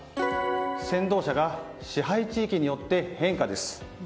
先導車が支配地域によって変化です。